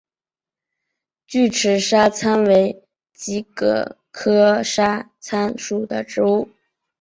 锯齿沙参为桔梗科沙参属的植物。